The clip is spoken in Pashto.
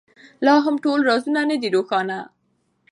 لا هم ټول رازونه نه دي روښانه.